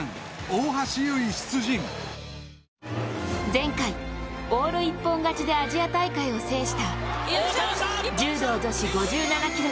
前回、オール一本勝ちでアジア大会を制した柔道女子５７キロ